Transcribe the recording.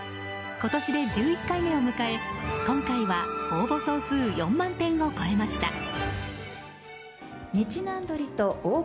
今年で１１回目を迎え今回は応募総数４万点を超えました。